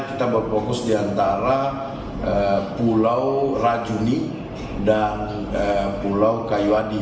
kita berfokus di antara pulau rajuni dan pulau kayuadi